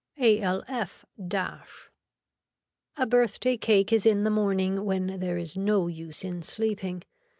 ALF . A birthday cake is in the morning when there is no use in sleeping.